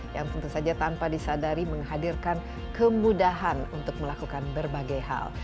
yang tentu saja tanpa disadari menghadirkan kemudahan untuk melakukan berbagai hal